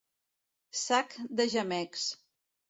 Sac de gemecs.